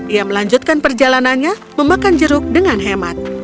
ia melanjutkan perjalanannya memakan jeruk dengan hemat